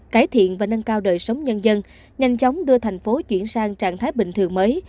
cải thiện và nâng cao đời sống nhân dân nhanh chóng đưa thành phố chuyển sang trạng thái bình thường mới